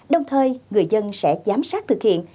đồng thời người dân sẽ giám sát thực hiện